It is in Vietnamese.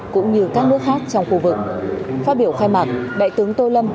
cũng như các nước khác trong khu vực phát biểu khai mạc đại tướng tô lâm